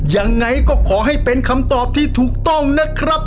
ยังไงก็ขอให้เป็นคำตอบที่ถูกต้องนะครับ